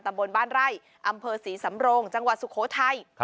บนบ้านไร่อำเภอศรีสำโรงจังหวัดสุโขทัย